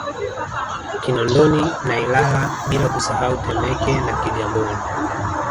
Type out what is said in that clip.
Kinondoni na Ilala bila kusahau Temeke na Kigamboni